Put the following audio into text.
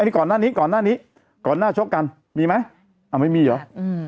นี่ก่อนหน้านี้ก่อนหน้านี้ก่อนหน้าชกกันมีไหมเอาไม่มีเหรออืม